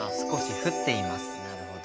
なるほど。